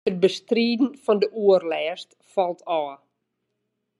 It bestriden fan de oerlêst falt ôf.